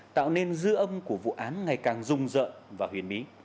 tạo nên dư âm của vụ án ngày càng rung rợn vào huyền mỹ